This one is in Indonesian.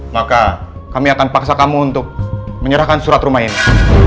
maka kami akan paksa kamu untuk menyerahkan surat rumah ini